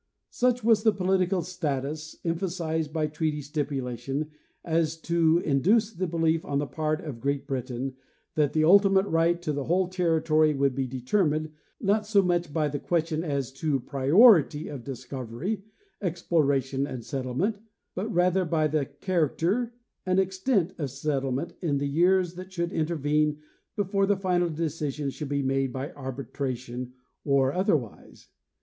Such was the political status, emphasized by treaty stipulation, as to in duce the belief on the part of Great Britain that the ultimate right to the whole territory would be determined, not so much by the question as to priority of discovery, exploration and settle ment, but rather by the character and extent of settlement in the years that should intervene before the final decision should be made by arbitration or otherwise.